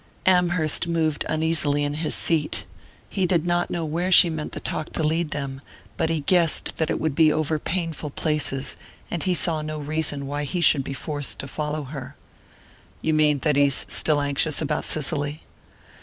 Amherst moved uneasily in his seat. He did not know where she meant the talk to lead them, but he guessed that it would be over painful places, and he saw no reason why he should be forced to follow her. "You mean that he's still anxious about Cicely?"